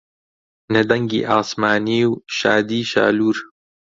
نە دەنگی ئاسمانی و شادیی شالوور